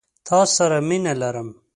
تا سره مينه لرم